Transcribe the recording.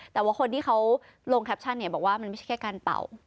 แต่ว่าคนที่เขาลงแคปชั่นเนี่ยบอกว่ามันไม่ใช่แค่การเป่า